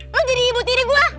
gue jadi ibu tiri gue